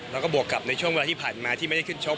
แล้วก็บวกกับในช่วงเวลาที่ผ่านมาที่ไม่ได้ขึ้นชก